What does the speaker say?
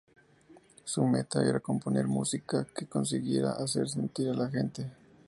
Su meta era componer música que consiguiera hacer sentir a la gente.